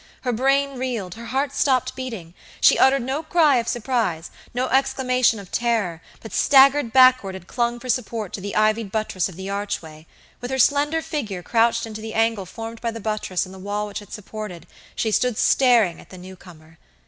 Her brain reeled, her heart stopped beating. She uttered no cry of surprise, no exclamation of terror, but staggered backward and clung for support to the ivied buttress of the archway. With her slender figure crouched into the angle formed by the buttress and the wall which it supported, she stood staring at the new comer.